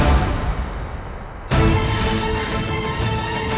aku tidak tahu